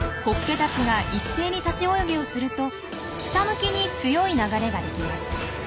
ホッケたちが一斉に立ち泳ぎをすると下向きに強い流れが出来ます。